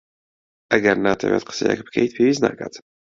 ئەگەر ناتەوێت قسەیەک بکەیت، پێویست ناکات.